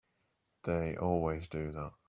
They always do that.